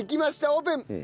オープン！